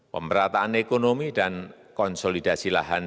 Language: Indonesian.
pemerataan ekonomi dan konsolidasi lahan